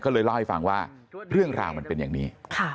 ก็เลยเล่าให้ฟังว่าเรื่องราวมันเป็นอย่างนี้